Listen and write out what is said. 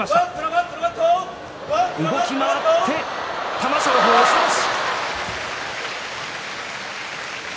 玉正鳳、押し出し。